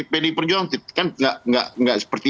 pd perjuang kan tidak seperti